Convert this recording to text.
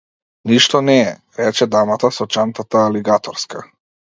Ништо не е, рече дамата со чантата алигаторска.